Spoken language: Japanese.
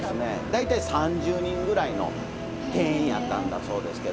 大体３０人ぐらいの定員やったんだそうですけど。